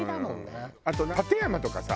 あと館山とかさ